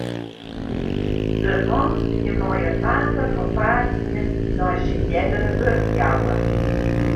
De man wie mei it wapen op paad gien nei syn eardere wurkjouwer.